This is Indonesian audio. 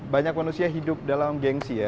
banyak manusia hidup dalam gengsi ya